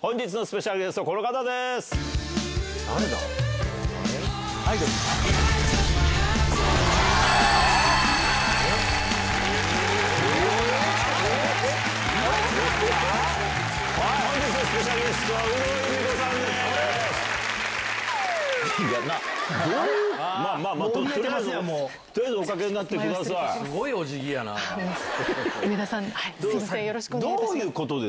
本日のスペシャルゲストは、有働由美子さんです。